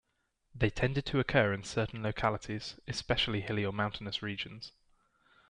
They tended to occur in certain localities, especially hilly or mountainous regions.